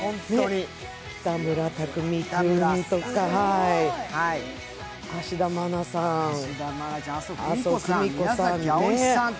北村匠海さんとか芦田愛菜さん、麻生久美さん